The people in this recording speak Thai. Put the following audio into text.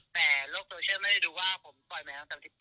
แต่โลกโซเชียลไม่ได้ดูว่าผมปล่อยมาตั้งแต่วันที่๘